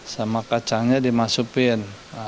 sama kacangnya dimasukin